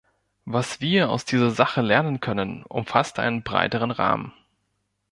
Was wir aus dieser Sache lernen können, umfasst einen breiteren Rahmen.